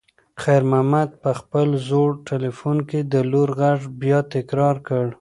خیر محمد په خپل زوړ تلیفون کې د لور غږ بیا تکرار کړ.